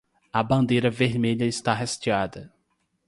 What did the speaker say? A bandeira vermelha está hasteada